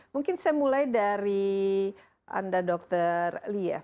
mungkin saya mulai dari anda dr li ya